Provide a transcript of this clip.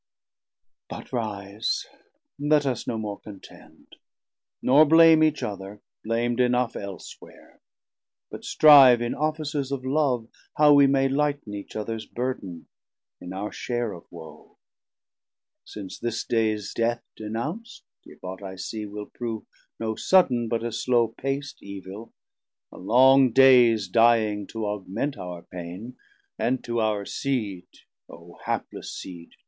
But rise, let us no more contend, nor blame Each other, blam'd enough elsewhere, but strive In offices of Love, how we may light'n 960 Each others burden in our share of woe; Since this days Death denounc't, if ought I see, Will prove no sudden, but a slow pac't evill, A long days dying to augment our paine, And to our Seed (O hapless Seed!)